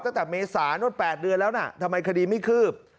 ตั้งแต่เมษานู่น๘เดือนแล้วนะทำไมคดีไม่คืบ